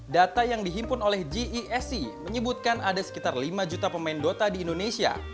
data yang dihimpun oleh gesc menyebutkan ada sekitar lima juta pemain dota di indonesia